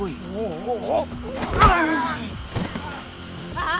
ああ！